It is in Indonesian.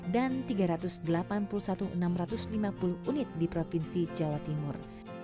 dan tiga ratus delapan puluh satu enam ratus lima puluh unit di provinsi jawa timur